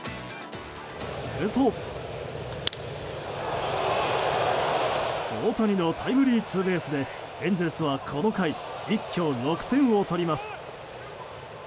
すると大谷のタイムリーツーベースでエンゼルスはこの回一挙６得点を取ります。